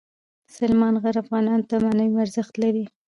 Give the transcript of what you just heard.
سلیمان غر افغانانو ته معنوي ارزښت لري.